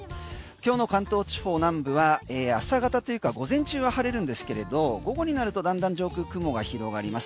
今日の関東地方南部は朝方というか午前中は晴れるんですけれど午後になるとだんだん上空雲が広がります。